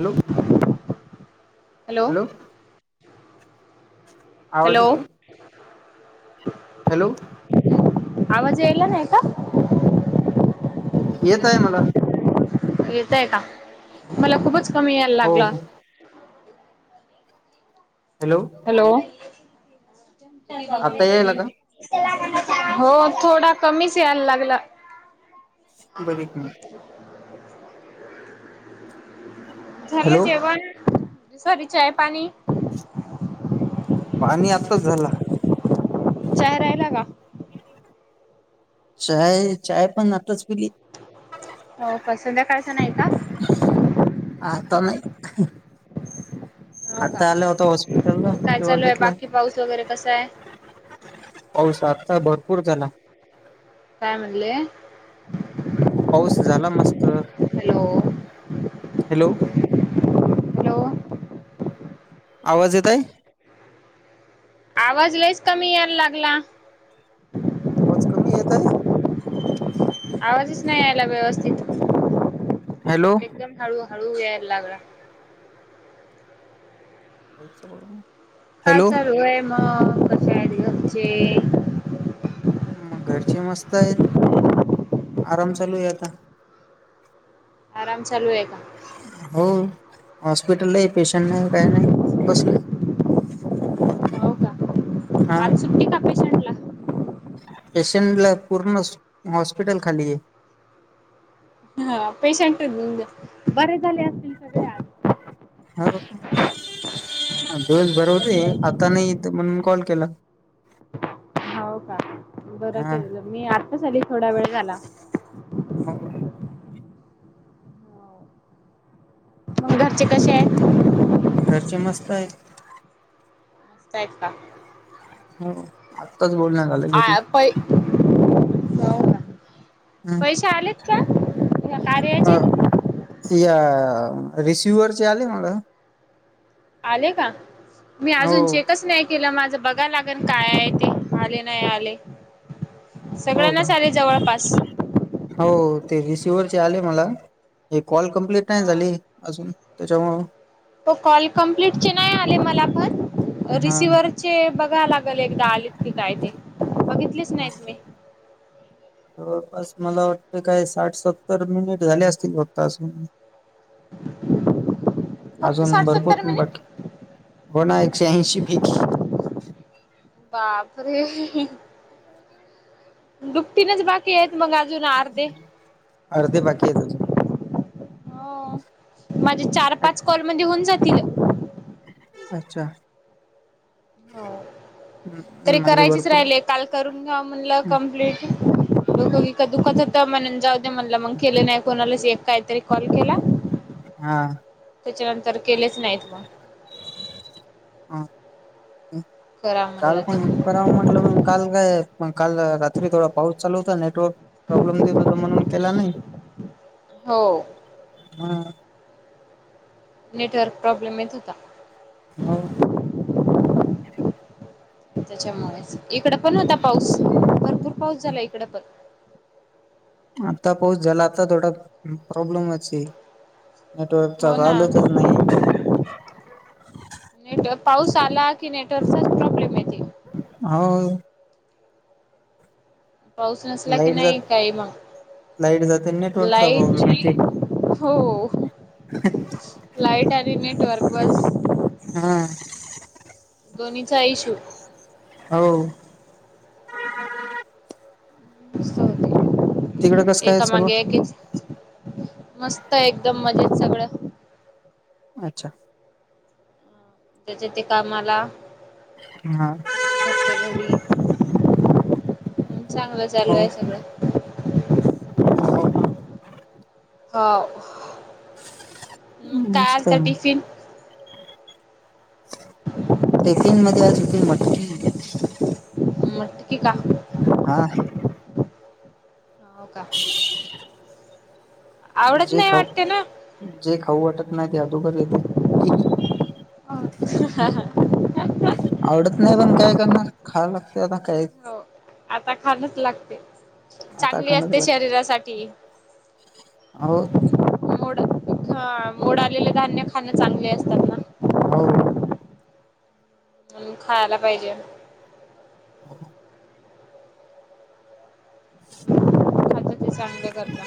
Hello hello. आवाज hello. येत आहे हॅलो. आवाज यायला नाही का? येत आहे मला. येतय का मला खूपच कमी यायला हो लागलं. हो हॅलो. हॅलो. आता यायला का हो थोडा कमीच यायला लागला. बर [unintelligible] झालं हॅलो जेवण सॉरी चाय पाणी- पाणी आताच झालं. चहाराहिला का? चाय चाय पण आत्ताच पिली. हो का संध्याकाळचनाही का? आता नाही. हो का? आता आलो होतो हॉस्पिटल ला काय तेव्हा चालू आहे घेतला. बाकी पाऊस वगैरे, कसा आहे? पाऊस आत्ता भरपूर झाला. काय म्हणले? पाऊस झाला मस्त. हॅलो. हॅलो. ! हॅलो आवाज येतंय? आवाज लईच कमी यायला लागला आवाज कमी येतय? आवाजच नाही यायला व्यवस्थित हॅलो. एकदम हळू हळू याय लागला [unintelligible] काय हॅलो चालूय मग, कशेयात घरचे? मग घरचे मस्त हायत, आराम चालूय आता आराम चालूय का? हो हॉस्पिटलाही पेशंट नाही काय नाय बसलोय हो का? हा आज सुट्टी का? पेशंटला? पेशंटला पूर्णच हॉस्पिटल खालीय हा पेशंट बरे झाले असतील सगळे आज हो दिवसभर होते, म्हणूनच आता नायी इथं म्हणून कॉल केला हो का बरं हा. केलेलं मी आत्ताच आली थोडा वेळ झाला हो मग घरचे कशेयत? घरचे मस्त हायत मस्तयत का? हो आत्ताच बोलणं झालं. हो का? पैशे आलेत का ह्या अ कार्याचे? या रिसिव्हरचे आले मला आले का, मी हो अजून चेकच नाही केलं माझं बघाय लाग बघन काय ते आले नाय आले हो का सगळ्यांनाच आले जवळपास हो ते रिसिव्हरचे आले मला हे कॉल कंप्लीट नाय हा झाले अजून त्याच्यामुळं तो कॉल कंप्लीट चे नाय आले मला पण हा रिसिव्हर चे बघाय लागल एकदा आलेत की काय ते बघितलीच हा नाहीत मी जवळपास मला वाटतंय काय साठ सत्तर मिनिट झाले असतील फक्त आजून [inaudible] फक्त अजून साठ भरपूर सत्तर मिनिट बाकीय, हो ना एकशे ऐंशी पैकी बापरे! दुपटीनंच बाकीयत मग अजून अर्धे अर्धे बाकीयत अजून. हो, माझे चार-पाच कॉलमध्ये होऊन जातील. अच्छा. ! हो हम्म, तरी माझे करायचेच भरपूर राहिले काल करून घ्यावं म्हणलं कंमप्लीट डोकं विक दुखत होत म्हणून जाऊ म्हणलं मग केले नाही कोणाला एक काहीतरी कॉल केला हा त्याच्यानंतर केलेच नाहीत मग ह करा काल म्हणलं पण तर कराव म्हटलं पण काल कायय पण काल रात्री थोडा पाऊस चालू होता नेटवर्क प्रॉब्लेम देत होता म्हणून केला नाही [inaudible] हो ह्म नेटवर्क प्रॉब्लेम येत होता हा [unintelligible] त्याच्यामुळेच इकड पण होता पाऊस भरपूर पाऊस झाला इकड पण आता पाऊस झाला आता थोडा प्रॉब्लेमच नेटवर्क चा हो ना चालतच नाही नेट पाऊस आला की नेटवर्क हो पाऊस नसला की लाईट नाही जात काही मग लाईट जाते नेटवर्कचा लाईट प्रॉब्लेम आहे ते हो लाइट आली नेटवर्क बस हा दोन्हीचा इशू हो तिकडे कसं होते काय एका सर्व मागे एक मस्त आहे एकदम मजेत सगळं अच्छा त्याच्या ते कामाला हा घरच्या घरी चांगलं चालू आहे सगळं ह हो का होाव नमस्कार टिफिन मध्ये आज होती मटकी मोटकी का हा हो का आवडत जे नाही खाऊ वाटते ना जे खाऊ वाटत नाही ते अधुकर येते अ हा हा आवडत नाही पण काय करणार खावं लागत आता काय हो आता खाणच लागते आता चांगली खाणच असते लागत शरीरासाठी हो मोड हा मोडालेले धान्य खाणं चांगले असतात ना हो खायला पाहिजे हो खात ते चांगलं करता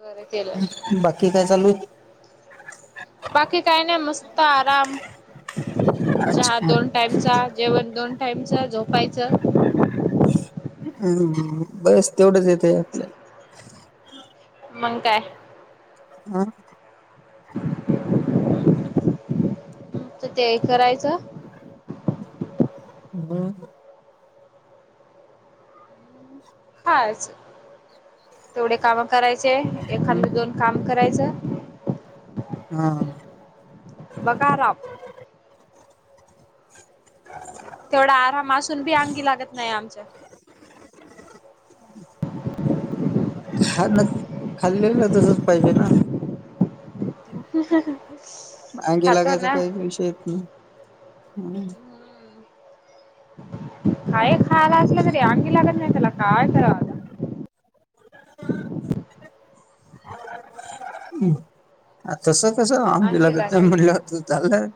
बरं केलं बाकी काय चालू आहे बाकी काय नाही मस्त आराम चहा अच्छा दोन टाईम जेवण दोन टाइमचा झोपायचं हम् बस तेवढंच येत आहे आपल्याला मग काय हा तर ते करायचं हम्म हाच तेवढे काम करायचे हम्म. एखाद दोन काम करायचं हा बकाराम तेवढा आराम असून बी अंगी लागत नाही आमच्या खा न खाल्लेलं तसच पाहिजे ना ह् ह अंगी लागायचा काही विषयेत नाही काय खायला असल तरी अंगी लागत नाही काय तर तस कस आगी अंगी लगत नाही म्हलं झालंय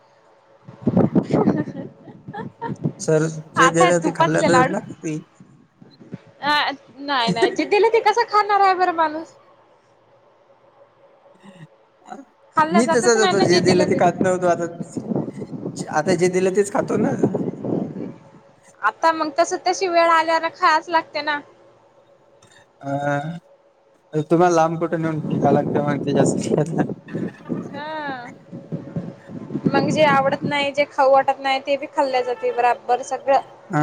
हं ह सर जे दलं ते खाल्ला तं लाडू लागत्ये अ नाही नाही जे दिले ते कस खाणार आहे बर माणूस खाल्लं मी जातच तसच नाही होतं ना जे दिलं ते का नव्हतो आता आता जे दिलं तेच खातो ना. आता मग तस तशी वेळ आल्यान खायच लागते ना. अ तुम्हाला लांब कुठे नेऊन फेकालागत्ये मग त्याच्यासाठी आता. हा [unintelligible] मग जे आवडत नाही जे खाऊ वाटत नाही ते बी खाल्ली जाते बराबर सगळं. हा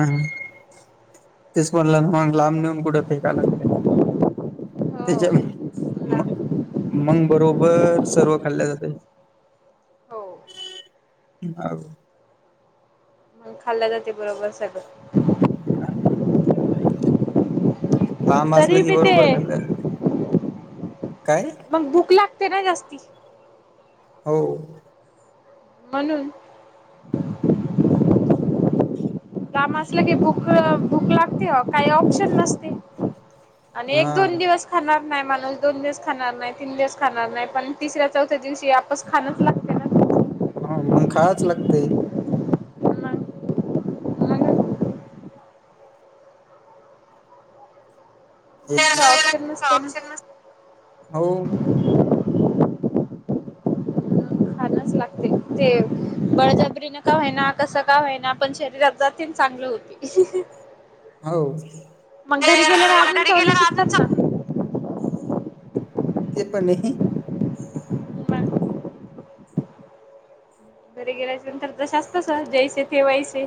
तेच म्हणलं मग लांब नेऊन कुठे फेकाय लागते. हो त्याच्या म. मग बरोबर सर्व खाल्ल्या जाते. हो. ह. खाल्ल्या जाते बरोबर सगळं. ह. लांब असल तरी कि बी बरोबर ते खलं काय. मग बुकला ते ना जास्ती. हो. म्हणून काम असला ग बुक- भूक लागते काही ऑप्शन नसते अन हा एक दोन दिवस. खाणार नाही माणूस दोन दिवस खाणार नाही तीन दिवस खाणार नाही पण तिसऱ्या चौथ्या दिवशी आपस खाणच लागत. हा मग खाच लागते. ना मग काय ऑप्शन नसते ना ऑपशन हो. खाणच लागते ते. बळजाबरीने का व्हायना कसं का व्हायना पण शरीरात जात चांगली होती. हो. मग घरी गेल्याला अजून घरी सवनी गेल्यावर सुटतात अजून च ना ते पण. मग घरी गेल्याच्या नंतर तसे असतस जैसे थे वैसे थे ठेवायचे.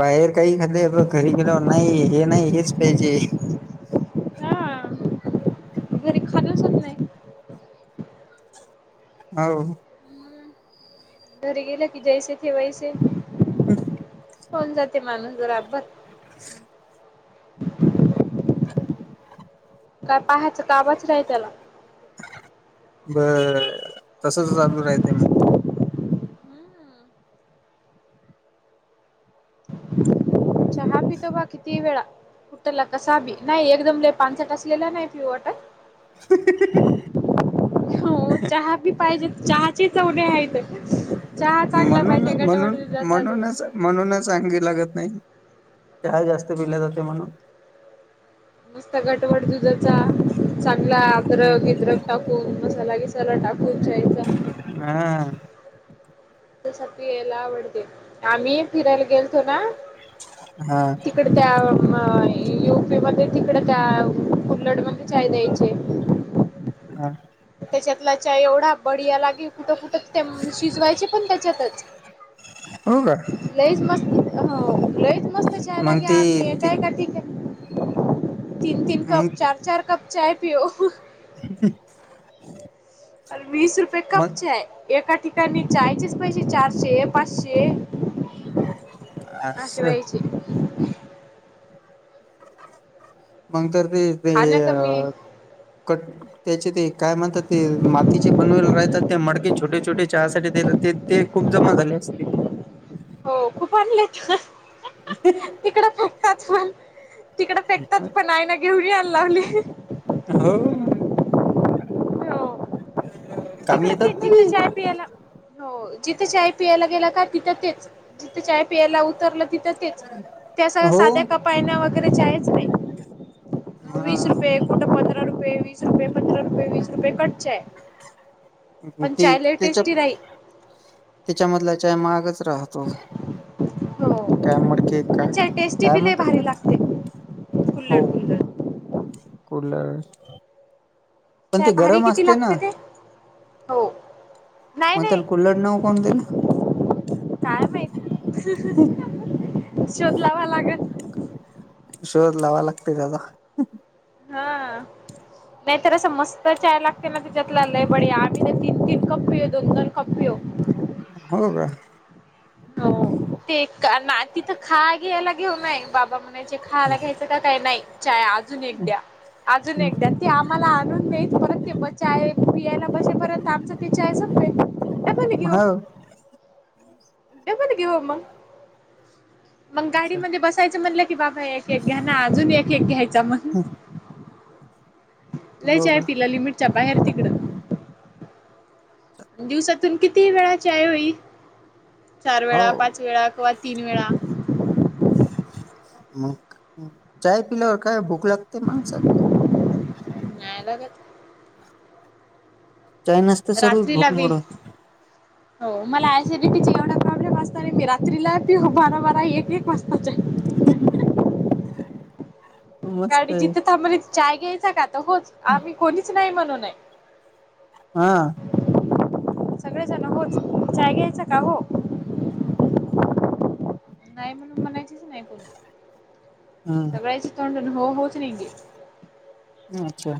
बाहेर काही खालं घरी गेल नाही हे नाही हेच पाहिजे. हा घरी खानाच होत नाही. हो. घरी गेल्या की जैसे थे वैसे. हम्. होन जाते माणूस बराबर. [unintelligible] काय पाहायचं कामाच नाही त्याला. बर तसच चालू राहते मग. चहा पीतो बा किती वेळा. कुठला कसाबी नाही एकदम पानचट असलेला नाही पिऊ वाटत. हो चहा. चहा पाहिजे चहाची चवलई आहे इथं चहा चांगला म्हणून पाहिजे गटवट दुधाध म्हणून आगी लागत नाही चहा जास्त पिला जातो म्हणून. मस्त गटवट दुधाचा चांगला आद्रक बिद्रक. टाकून मसाला बिसाला टाकून पीयचा. हम. तस प यायला आवडते आम्ही फिरायला गेलतो ना. हा. तिकडे त्या म युपी मध्ये तिकड त्या कुलड मध्ये चाय द्यायचे. हा. त्याच्यातला चाय एवढा बढिया लागील कुठं-कुठं ते म शिजवायचे पण तेच्यातच हो का लईच मस्त, हो लईच मस्त मग चायलागे ते आम्ही ते एका एका का ठीक आहे. तीन-तीन कप मग चार-चार कप चाय पिओ [unintelligible] आल वीस रुपये कप मग चाय एका ठिकाणी चायचेच पाहिजे चारशे, पाचशे अशे असं व्हायचे. मग तर ते ते खाणं कमी कट त्याचे ते काय म्हणतात ते मातीचे बनवेला राहतात त्या मडक्याचे छोटे-छोटे चहासाठीेत देतात ते-तेखूप जमा झाले असते हो खूप आणलेत. तिकड फुकटातून तिकड [unintelligible] नाही ना घेऊन याय लावली. हो [unintelligible] तिकडं तेच ना ते जिथं चाय पियला, हो जिथं चाय पियाला गेला का तिथं तेच जिथे चाय पियला उतरलं तिथं तेच, त्या स हो साध्या कापायण्या वर [inaudible] अ वीस हा रुपये कुठं, पंधरा रुपये, वीस रुपये, पंधरा रुपये, वीस रुपये कट चाय पण ते चाय लय ते, टेस्टी राही तेच्यामधला चाय महागच राहतो. हो काय मडके पण चाय टेस्टी काय-काय बी लय म्हणतात भारी तेला? लागते हो. कुल्लड कुल्लड कूलड, पण चाय ते भारी गरम किती असते ना? लागते ते हो नाही मग नाही त्याला कुलड नाव कोण दिलं? काय माहिती, शोध लावाय लागल. शोध लावाय लागतय [unintelligible] हा. नाहीतर असं मस्त चाय लागतय ना त्याच्यातला लय बडीया. मी तीन-तीन कप पियो, दोन-दोन कप पियो हो का? [inaudible] ते का ना तिथं खा घ्यायला घेऊनय बाबा म्हणायचे खायला घ्यायचं तर काही नाही चाय अजून एक द्या. अजून एक दया. ते आम्हाला आणून देई परत ते, चाय पियायला बसे परत आमच पि चाय संपे मह [unintelligible] हो मंग, मंग अच्छा गाडीमध्ये बसायचं म्हणलं की बाबा याय एक घ्या ना, अजून एक एक घ्याचा म लय हो चाय का पिला लिमिटच्या बाहेर तिकडं दिवसातून कितीही वेळा चय होई चार वेळा, हो पाच वेळा किंवा तीन वेळा मग चाय पिल्यावर काय भूक लागते माणसा नाय लागत. चाय नसते सर्व रात्री ला भूक बी मोडून हो. मला ऍसिडिटी एवढा प्रॉब्लेम असतना मी रात्रीला पिऊ बारा-बारा, एक-एक वाजता चाय [unintelligible] मस्त गाडी आहे जिथं थांबली चाय घ्यायचा का तर होच आम्ही कोणीच नाही म्हणूनय हा. सगळेजण होच. चाय घ्यायचा का? हो. हम. नाही म्हणून म्हणायचीच नाही कोणी. हम्म सगळ्याच्या तोंडून हो-हो च निगे अच्छा